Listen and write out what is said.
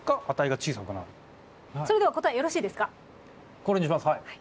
これにしますはい。